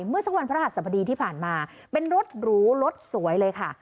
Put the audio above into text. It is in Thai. เมื่อสักวันพระหัสสบดีที่ผ่านมาเป็นรถหรูรถสวยเลยค่ะ